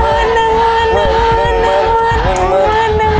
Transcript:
โบนัส